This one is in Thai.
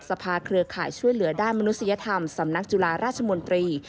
เครือข่ายช่วยเหลือด้านมนุษยธรรมสำนักจุฬาราชมนตรี